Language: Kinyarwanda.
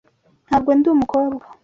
Ntabwo ndi umukobwa.